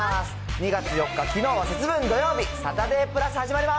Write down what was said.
２月４日、きのうは節分、土曜日、サタデープラス始まります。